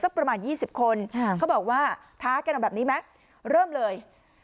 ประมาณ๒๐คนเขาบอกว่าท้ากันเอาแบบนี้ไหมเริ่มเลย